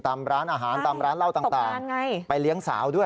ตามร้านอาหารตามร้านเหล้าต่างไปเลี้ยงสาวด้วย